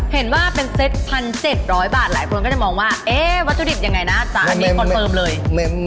เห็นว่าเป็นเซต๑๗๐๐บาทหลายคนก็จะมองว่าเอ๊ะวัตถุดิบยังไงนะจ๊ะอันนี้คอนเฟิร์มเลย